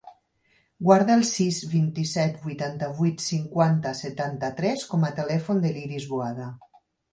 Guarda el sis, vint-i-set, vuitanta-vuit, cinquanta, setanta-tres com a telèfon de l'Iris Boada.